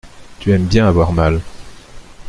Tu aimes bien avoir mal.